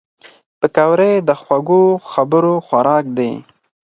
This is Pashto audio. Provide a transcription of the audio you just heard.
پکورې د خوږو خبرو خوراک دي